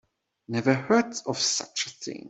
Never heard of such a thing.